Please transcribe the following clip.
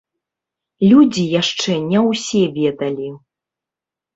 Людзі яшчэ не ўсе ведалі.